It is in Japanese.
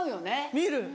見る。